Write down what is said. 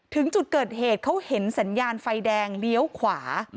ถึงจุดเกิดเหตุเขาเห็นสัญญาณไฟแดงเลี้ยวขวา